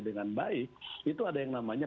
dengan baik itu ada yang namanya